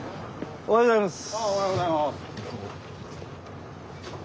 おはようございます。